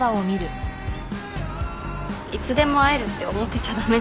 いつでも会えるって思ってちゃ駄目だね。